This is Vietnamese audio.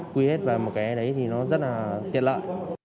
quy hết về một cái đấy thì nó rất là tiện lợi